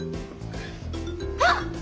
あっ！